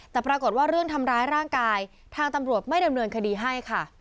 แต่ปรากฏว่าเรื่องทำร้ายร่างกายทางตำรวจไม่ดำเนินคดีให้ค่ะ